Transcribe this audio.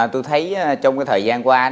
tôi thấy trong cái thời gian qua